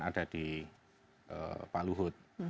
sudah di pak luhut